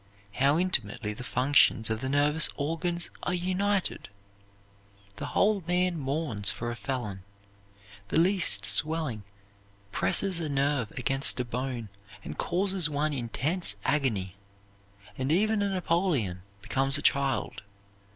How intimately the functions of the nervous organs are united! The whole man mourns for a felon. The least swelling presses a nerve against a bone and causes one intense agony, and even a Napoleon becomes a child.